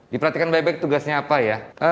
dipraktikan baik baik tugasnya apa ya